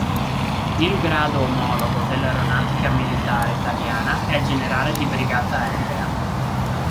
Il grado omologo dell'Aeronautica Militare Italiana è generale di brigata aerea.